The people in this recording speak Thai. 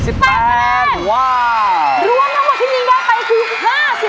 มาตรฐานจะเตรียมแค่ไหนนะคะ